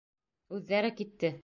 Үҙҙәре китте.